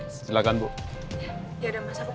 ya udah mas aku pamit dulu ya